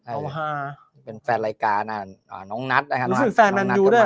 เอาหาเป็นแฟนรายการน่ะอ่าน้องนัทนะครับแฟนนั้นอยู่ด้วย